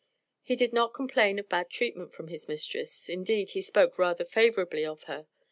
He did not complain of bad treatment from his mistress, indeed, he spoke rather favorably of her.